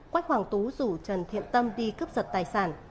quách hoàng tú rủ trần thiện tâm đi cướp giật tài sản